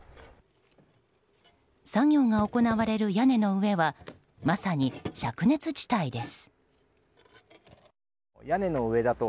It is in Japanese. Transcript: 作業が行われる屋根の上はまさに灼熱地帯です。